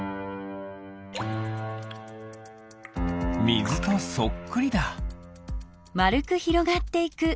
みずとそっくりだ。